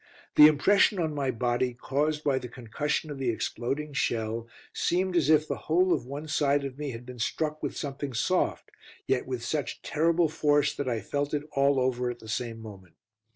The impression on my body, caused by the concussion of the exploding shell, seemed as if the whole of one side of me had been struck with something soft, yet with such terrible force that I felt it all over at the same moment.